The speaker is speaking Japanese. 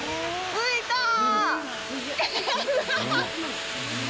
着いたー！！